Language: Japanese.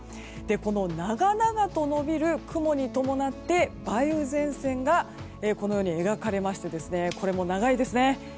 この長々と延びる雲に伴って梅雨前線が描かれましてこれも長いですね。